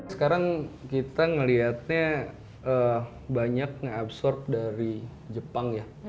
sekarang kita melihatnya banyak mengabsorb dari jepang ya